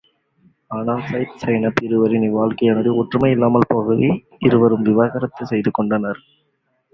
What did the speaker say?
ஆனால் Zaid Zainab இருவரின் இல்வாழ்க்கையானது ஒற்றுமை இல்லாமல் போகவே, இருவரும் விவாகரத்துச் செய்து கொண்டனர்.